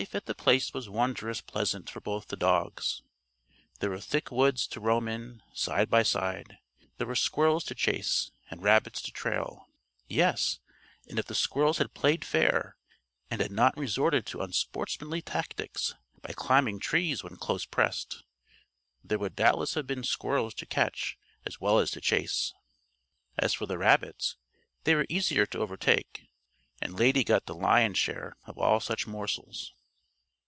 Life at The Place was wondrous pleasant for both the dogs. There were thick woods to roam in, side by side; there were squirrels to chase and rabbits to trail. (Yes, and if the squirrels had played fair and had not resorted to unsportsmanly tactics by climbing trees when close pressed, there would doubtless have been squirrels to catch as well as to chase. As for the rabbits, they were easier to overtake. And Lady got the lion's share of all such morsels.)